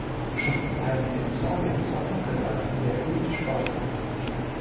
Schon zu Zeiten Jugoslawiens war Basketball eine sehr beliebte Sportart.